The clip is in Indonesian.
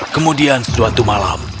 kemudian suatu malam